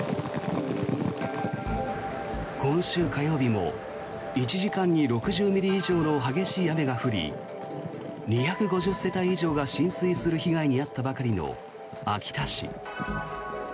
今週火曜日も１時間に６０ミリ以上の激しい雨が降り２５０世帯以上が浸水する被害に遭ったばかりの秋田市。